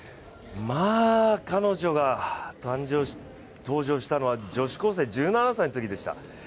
彼女が登場したのは女子高生、１７歳のときでした。